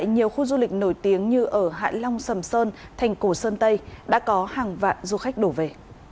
nhiều khu du lịch nổi tiếng như ở hạ long sầm sơn thành cổ sơn tây đã có hàng vạn du khách đổ về